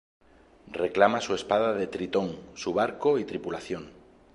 Reclama su espada de Tritón, su barco y tripulación.